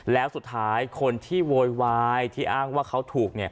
แล้วสุดท้ายคนที่โวยวายที่อ้างว่าเขาถูก